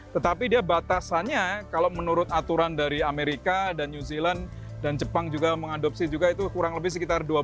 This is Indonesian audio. tetapi dia batasannya kalau menurut aturan dari amerika dan new zealand dan jepang juga mengadopsi juga itu kurang lebih sekitar